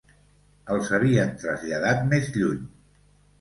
Els havien traslladat més lluny